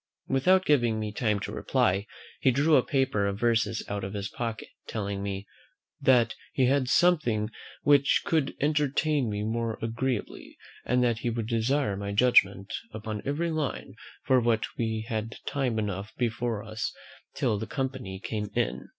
Without giving me time to reply, he drew a paper of verses out of his pocket, telling me, "that he had something which would entertain me more agreeably, and that he would desire my judgment upon every line, for that we had time enough before us till the company came in."